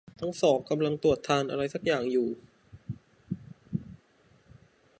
ทั้งสองกำลังตรวจทานอะไรสักอย่างยู่